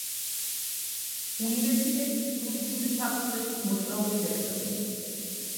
უნივერსიტეტის იურიდიული ფაკულტეტის მოწვეული ლექტორი.